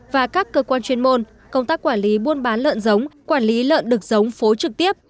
và các cơ quan chuyên môn công tác quản lý buôn bán lợn giống quản lý lợn đực giống phố trực tiếp